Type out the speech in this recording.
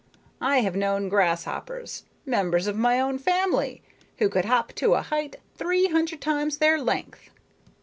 I have known grasshoppers members of my own family who could hop to a height three hundred times their length.